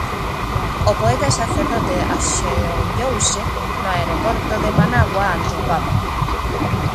O poeta e sacerdote axeonllouse no aeroporto de Managua ante o Papa.